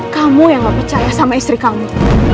kamu yang gak percaya sama istri kamu